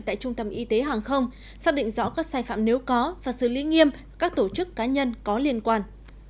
tại trung tâm y tế hàng không xác định rõ các sai phạm nếu có và xử lý nghiêm các tổ chức cá nhân có liên quan